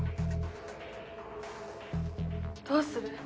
どうする？